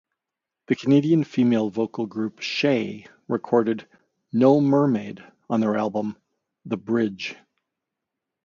The Canadian female vocal group Shaye recorded "No Mermaid" on their album "The Bridge".